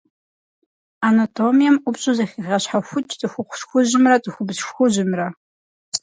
Анатомием ӏупщӏу зэхегъэщхьэхукӏ цӏыхухъу шхужьымрэ цӏыхубз шхужьымрэ.